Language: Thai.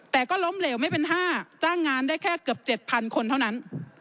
แต่ก็ล้มเหลวไม่เป็น๕จ้างงานได้แค่เกือบ๗๐๐คนเท่านั้น